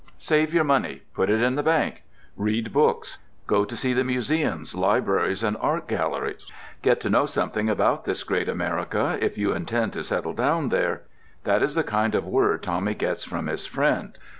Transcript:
Save your money; put it in the bank; read books; go to see the museums, libraries, and art galleries; get to know something about this great America if you intend to settle down there—that is the kind of word Tommy gets from his friend.